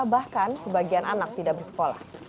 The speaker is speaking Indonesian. bahkan sebagian anak tidak bersekolah